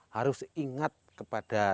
harus ingat kepada